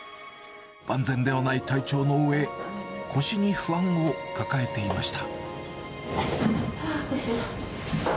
万全ではない体調のうえ、腰に不安を抱えていました。